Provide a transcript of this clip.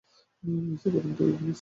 Messi প্রথম থেকেই খেলেছিলেন।